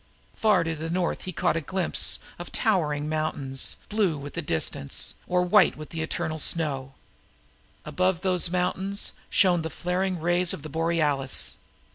Far to the north he caught a glimpse of towering mountains, blue with the distance, or white with the eternal snows. Above these mountains shone the flaring rays of the borealis.